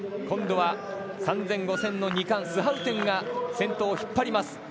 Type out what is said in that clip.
今度は、３０００、５０００の２冠、スハウテンが先頭を引っ張ります。